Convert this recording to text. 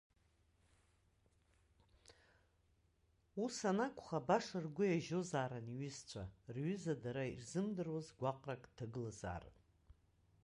Ус анакәха, баша ргәы иажьозаарын иҩызцәа, рҩыза дара ирзымдыруаз гәаҟрак дҭагылазаарын.